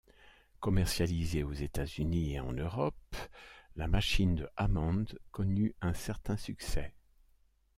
Commercialisée aux États-Unis et en Europe, la machine de Hammond connut un certain succès.